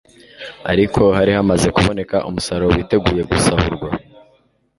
ariko hari hamaze kuboneka umusaruro witeguye gusarurwa